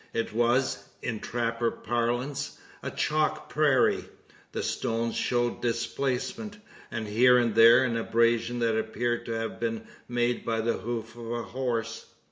It was, in trapper parlance, a "chalk prairie." The stones showed displacement; and here and there an abrasion that appeared to have been made by the hoof of a horse.